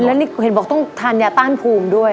แล้วนี่เห็นบอกต้องทานยาต้านภูมิด้วย